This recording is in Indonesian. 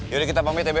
yaudah kita pamit ya be